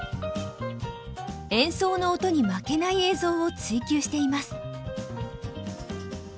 演奏の音に負けない映像を追究しています。